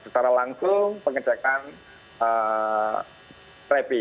secara langsung pengecekan trebi